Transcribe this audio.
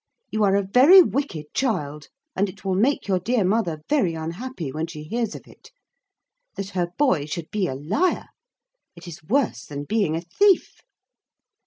You are a very wicked child, and it will make your dear mother very unhappy when she hears of it. That her boy should be a liar. It is worse than being a thief!'